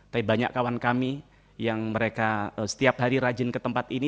tapi banyak kawan kami yang mereka setiap hari rajin ke tempat ini